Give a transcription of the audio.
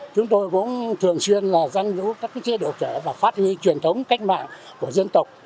chúng tôi cũng thường xuyên là giam giữ các chế độ trẻ và phát huy truyền thống cách mạng của dân tộc